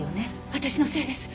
私のせいです。